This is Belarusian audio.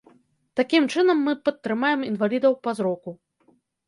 Такім чынам мы падтрымаем інвалідаў па зроку.